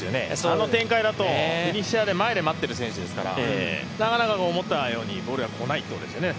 あの展開だとフィニッシャーで前で待っている選手ですからなかなか思ったようにボールが来ないということでしょうね。